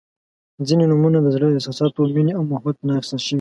• ځینې نومونه د زړۀ له احساساتو، مینې او محبت نه اخیستل شوي دي.